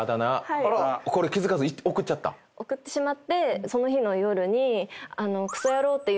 送ってしまってその日の夜に。